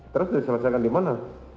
terus diselesaikan di mana